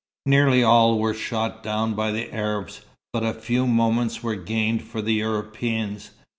Nearly all were shot down by the Arabs, but a few moments were gained for the Europeans.